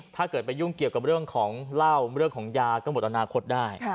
ถ้าเกิดไปยุ่งเกี่ยวกับเรื่องของเหล้าเรื่องของยาก็หมดอนาคตได้